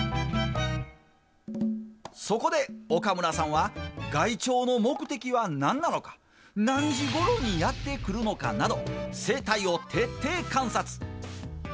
そこで、岡村さんは害鳥の目的は何なのか何時ごろにやってくるのかなど生態を徹底観察。